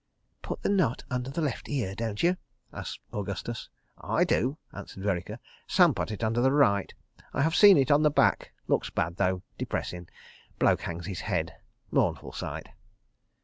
"Put the knot under the left ear, don't you?" asked Augustus. "I do," answered Vereker. "Some put it under the right. ... I have seen it at the back. Looks bad, though. Depressin'. Bloke hangs his head. Mournful sight.